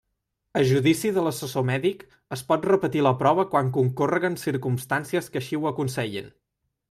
A judici de l'assessor mèdic es pot repetir la prova quan concórreguen circumstàncies que així ho aconsellen.